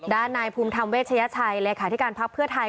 นายภูมิธรรมเวชยชัยเลขาธิการพักเพื่อไทย